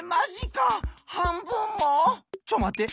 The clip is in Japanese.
ちょっまって！